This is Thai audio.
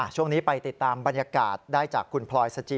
ช่วงนี้ไปติดตามบรรยากาศได้จากคุณพลอยสจิ